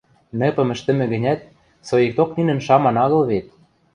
Нэпым ӹштӹмӹ гӹнят, соикток нинӹн шаман агыл вет